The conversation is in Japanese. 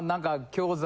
教材！？